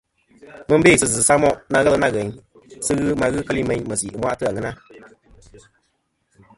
Mɨ n-bê sɨ zɨ̀ samoʼ na ghelɨ nâ ghèyn sɨ ghɨ ma ghɨ keli meyn mèsì ɨ̀mwaʼtɨ ɨ àŋena.